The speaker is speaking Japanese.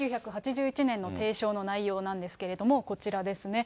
１９８１年の提唱の内容なんですけれども、こちらですね。